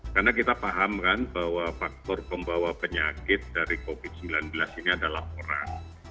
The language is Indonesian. karena kita paham kan bahwa faktor pembawa penyakit dari covid sembilan belas ini adalah orang